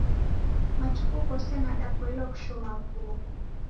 Matuku ghose nadapoilwa kushoma vuo